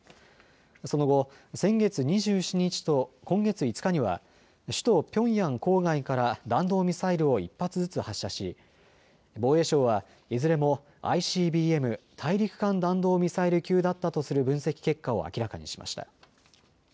その後、先月２７日と今月５日には首都ピョンヤン郊外から弾道ミサイルを１発ずつ発射し防衛省は、いずれもＩＣＢＭ・大陸間弾道ミサイル級だったとする分析結果を明らかにしました。